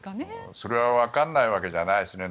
それは分からないわけじゃないですね。